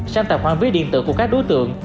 sang tài khoản ví điện tử của các đối tượng